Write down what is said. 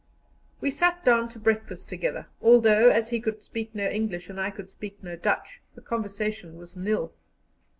We sat down to breakfast together, although, as he could speak no English and I could speak no Dutch, the conversation was nil.